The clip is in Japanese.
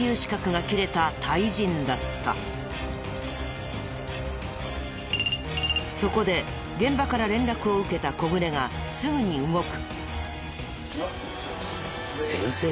男はそこで現場から連絡を受けた小暮がすぐに動く。